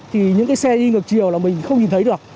thì những cái xe đi ngược chiều là mình không nhìn thấy được